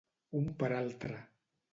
Un per altre.